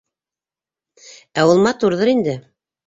Ә ул матурҙыр инде.